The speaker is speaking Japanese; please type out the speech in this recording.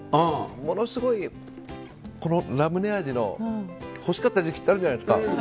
ものすごい、このラムネ味の欲しかった時期ってあるじゃないですか。